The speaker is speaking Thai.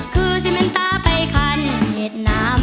คือเซเมนต้าไปขานเมียดน้ำ